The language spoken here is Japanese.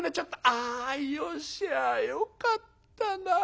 あよしゃあよかったな。